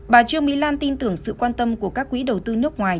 bà trương mỹ lan tin tưởng sự quan tâm của các quỹ đầu tư nước ngoài